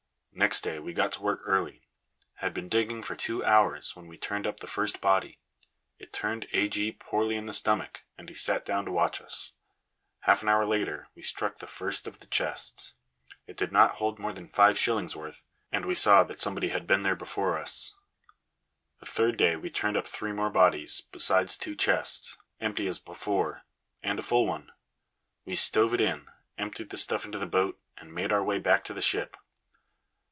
Next day we got to work early. Had been digging for two hours, when we turned up the first body. It turned A. G. poorly in the stomach, and he sat down to watch us. Half an hour later we struck the first of the chests. It did not hold more than five shillings' worth, and we saw that somebody had been there before us. The third day we turned up three more bodies, besides two chests, empty as before, and a full one. We stove it in, emptied the stuff into the boat, and made our way back to the ship.